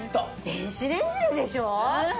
電子レンジでしょ？